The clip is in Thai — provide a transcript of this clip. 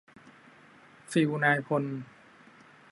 ฟีลนายพล